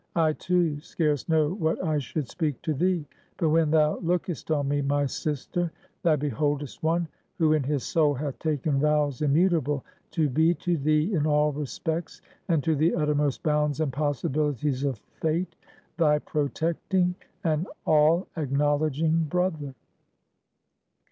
I too, scarce know what I should speak to thee. But when thou lookest on me, my sister, thou beholdest one, who in his soul hath taken vows immutable, to be to thee, in all respects, and to the uttermost bounds and possibilities of Fate, thy protecting and all acknowledging brother!"